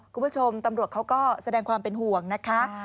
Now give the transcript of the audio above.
คุณผู้ชมตำรวจเขาก็แสดงความเป็นห่วงนะคะ